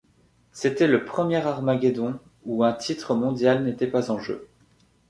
C'était le premier Armageddon où un titre mondial n'était pas en jeu.